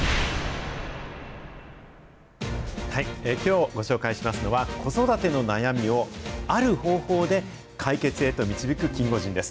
きょう、ご紹介しますのは、子育ての悩みを、ある方法で解決へと導くキンゴジンです。